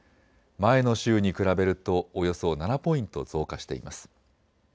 前の週に比べるとおよそ７ポイント増加しています。